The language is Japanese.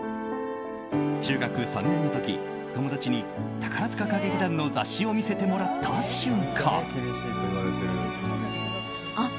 中学３年の時友達に宝塚歌劇団の雑誌を見せてもらった瞬間。